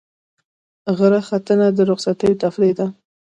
غره ختنه د رخصتیو تفریح ده.